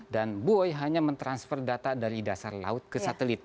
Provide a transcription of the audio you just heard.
dan buoy hanya mentransfer data dari dasar laut ke satelit